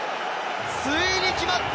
ついに決まった！